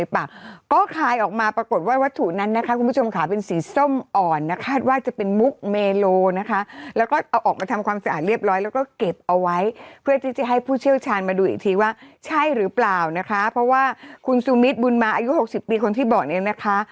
ภายออกมาปรากฏว่าวัตถุนั้นคุณผู้ชมขาวเป็นสีส้มอ่อนคาดว่าจะเป็นมุกเมโลแล้วก็เอาออกมาทำความสะอาดเรียบร้อยแล้วก็เก็บเอาไว้เพื่อให้ผู้เชี่ยวชาญมาดูอีกทีว่าใช่หรือเปล่านะคะเพราะว่าคุณซูมิตบุญมาอายุ๖๐ปีคนที่บอกเองนะคะ